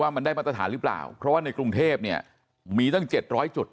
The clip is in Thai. มันได้มาตรฐานหรือเปล่าเพราะว่าในกรุงเทพเนี่ยมีตั้ง๗๐๐จุด